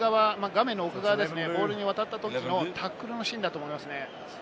ボールに渡ったときのタックルのシーンだと思いますね。